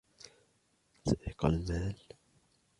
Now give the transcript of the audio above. سرق المال.